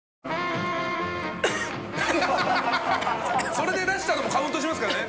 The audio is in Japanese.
それで出したのもカウントしますからね。